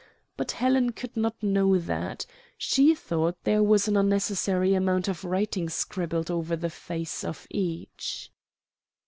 But Helen could not know that. She thought there was an unnecessary amount of writing scribbled over the face of each.